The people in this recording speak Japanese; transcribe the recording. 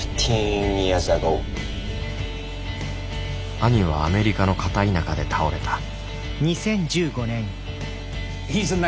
兄はアメリカの片田舎で倒れた諭。